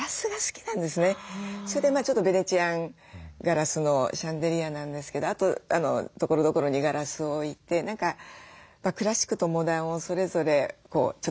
それでちょっとベネチアンガラスのシャンデリアなんですけどあとところどころにガラスを置いて何かクラシックとモダンをそれぞれちょっと引き立たせたいというか。